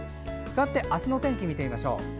かわって明日の天気を見てみましょう。